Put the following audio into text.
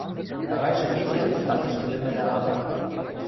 Тагачшы кечӹ гӹц такеш ӹлӹмӹлӓ агыл.